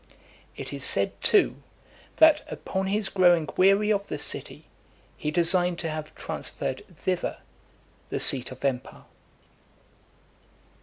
It is said, too, that, upon his growing weary of the city, he designed to have transferred thither the seat of empire.